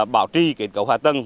bảo trị kết cấu hòa tầng